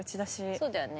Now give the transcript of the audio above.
そうだよね。